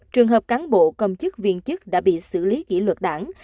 trường hợp cán bộ công chức viên chức đã bị xử lý kỷ luật đảng